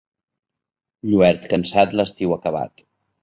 Lluert cansat, l'estiu acabat.